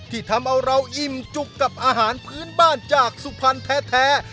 ที่ทำเอาเราอิ่มจุกกับอาหารพื้นบ้านจากสุพรรณแท้